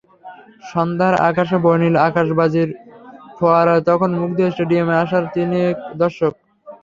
সন্ধ্যার আকাশে বর্ণিল আতশবাজির ফোয়ারায় তখন মুগ্ধ স্টেডিয়ামে আসা হাজার তিনেক দর্শক।